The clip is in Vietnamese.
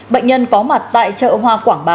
bệnh nhân có mặt tại chợ hoa quảng bá